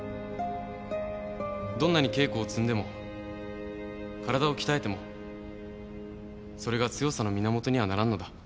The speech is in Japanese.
どんなに稽古を積んでも体を鍛えてもそれが強さの源にはならんのだ。